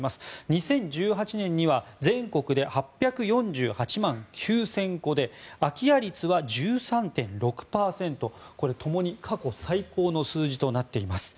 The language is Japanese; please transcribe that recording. ２０１８年には全国で８４８万９０００戸で空き家率は１３．６％で、共に過去最高の数字となっています。